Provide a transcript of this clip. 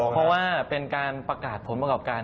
เพราะว่าเป็นการประกาศผลประกอบการ